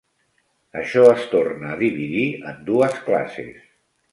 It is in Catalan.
Això es torna a dividir en dues classes.